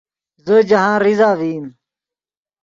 زو جاہند ریزہ ڤئیم